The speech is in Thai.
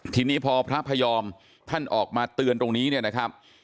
ทีนี้พอพระพยอมท่านออกมาเตือนตรงนี้เนี่ยนะครับ